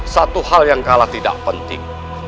satu hal yang kalah tidak penting